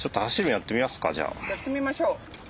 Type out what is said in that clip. やってみましょう。